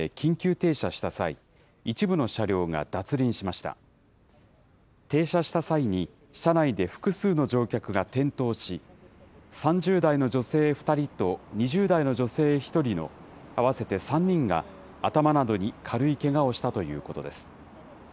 停車した際に車内で複数の乗客が転倒し、３０代の女性２人と２０代の女性１人の合わせて３人が、頭などに軽いけがをしたということです。